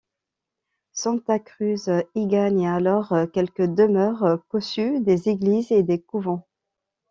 Santa Cruz y gagne alors quelques demeures cossues, des églises et des couvents.